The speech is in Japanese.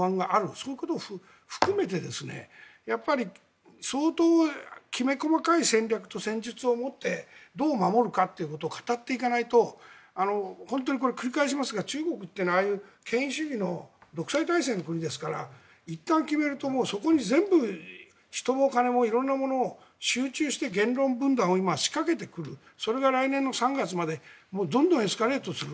そういうことを含めて相当、きめ細かい戦略と戦術を持ってどう守るかということを語っていかないと本当にこれ、繰り返しますが中国というのは権威主義の独裁体制の国ですからいったん決めるとそこに全部人も金も色んなものを集中して言論分断を今、仕掛けてくるそれが来年の３月までどんどんエスカレートする。